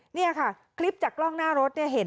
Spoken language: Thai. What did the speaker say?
นี่ค่ะคลิปจากกล้องหน้ารถเห็นได้ชัดเลย